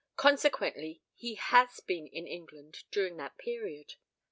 Consequently he has been in England during that period.